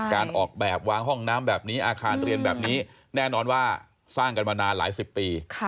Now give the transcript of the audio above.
การออกแบบวางห้องน้ำแบบนี้อาคารเรียนแบบนี้แน่นอนว่าสร้างกันมานานหลายสิบปี